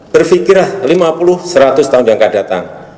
berpikirlah lima puluh seratus tahun yang akan datang